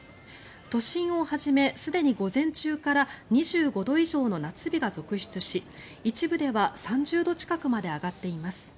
都心をはじめ、すでに午前中から２５度以上の夏日が続出し一部では３０度近くまで上がっています。